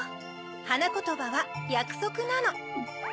はなことばは「やくそく」なの。